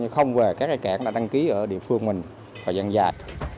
không về các sản phẩm đăng ký địa phương idean dài